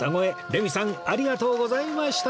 レミさんありがとうございました！